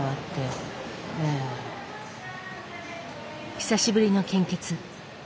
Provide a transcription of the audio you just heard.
久しぶりの献血。